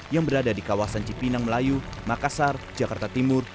yang berada di kawasan cipinang melayu makassar jakarta timur